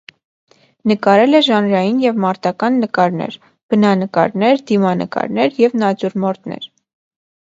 Նկարել է ժանրային և մարտական նկարներ, բնանկարներ, դիմանկարներ և նատյուրմորտներ։